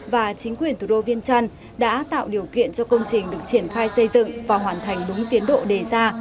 và chính quyền thủ đô viên trăn đã tạo điều kiện cho công trình được triển khai xây dựng và hoàn thành đúng tiến độ đề ra